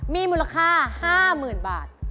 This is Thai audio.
มีมูลค่า๕๐๐๐บาท